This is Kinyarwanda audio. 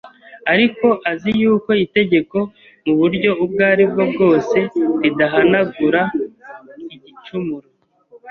Ariko azi yuko itegeko mu buryo ubwo aribwo bwose ridahanagura igicumuro